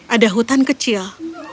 ada hutan kecil